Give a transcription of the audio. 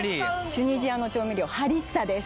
チュニジアの調味料ハリッサです・